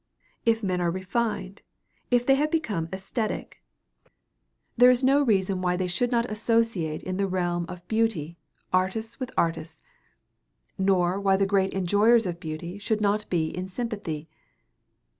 If men are refined, if they have become æsthetic, there is no reason why they should not associate in the realm of beauty, artists with artists, nor why the great enjoyers of beauty should not be in sympathy.